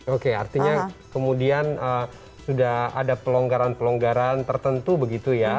oke artinya kemudian sudah ada pelonggaran pelonggaran tertentu begitu ya